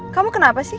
kamu kenapa sih